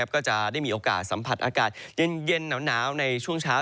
ก็จะได้มีโอกาสสัมผัสอากาศเย็นหนาวในช่วงเช้า